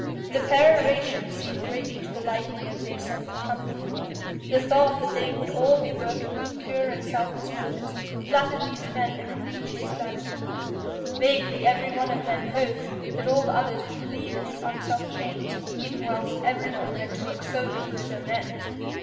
The peroration seemed greatly to the liking of the assembled company: the thought that they would all be working with pure and selfless motives flattered these men's egregious vanity; vaguely every one of them hoped that all the others would believe in his unselfish aims, even whilst everyone meant to work solely for his own ends.